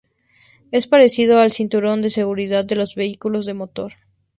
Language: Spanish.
Es parecido al cinturón de seguridad de los vehículos de motor.